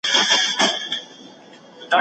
آیا پرنټر تر لاس چټک چاپ کوي؟